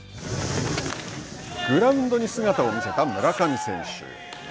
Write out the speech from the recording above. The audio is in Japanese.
グラウンドに姿を見せた村上選手。